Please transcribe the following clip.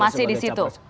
masih di situ